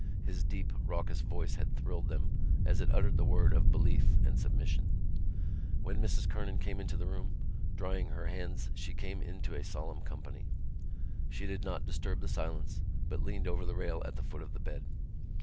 His deep raucous voice had thrilled them as it uttered the word of belief and submission. When Mrs Kernan came into the room drying her hands she came into a solemn company. She did not disturb the silence, but leaned over the rail at the foot of the bed.